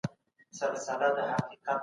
تاسو په خپله څېړنه کي ډېر پرمختګ کړی دئ.